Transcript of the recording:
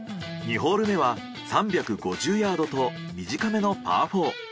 ２ホール目は３５０ヤードと短めのパー４。